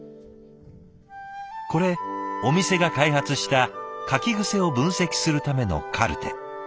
これお店が開発した書き癖を分析するためのカルテ。